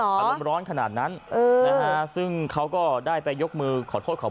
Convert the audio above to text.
อารมณ์ร้อนขนาดนั้นเออนะฮะซึ่งเขาก็ได้ไปยกมือขอโทษขอ